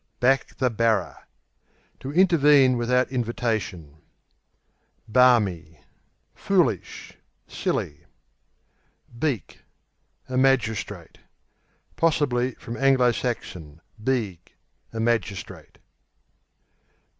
Back the Barrer To intervene without invitation. Barmy (Balmy) Foolish; silly. Beak A magistrate. (Possibly from Anglo Saxon, Beag a magistrate.)